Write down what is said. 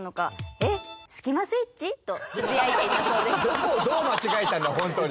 どこをどう間違えたんだほんとに。